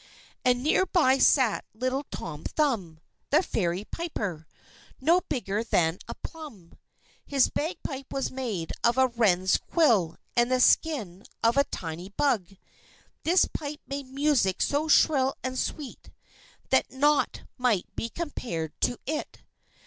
And near by sat little Tom Thumb, the Fairy piper, no bigger than a plum. His bagpipe was made of a wren's quill and the skin of a tiny bug. This pipe made music so shrill and sweet, that naught might be compared to it.